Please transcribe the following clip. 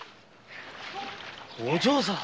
お嬢さん？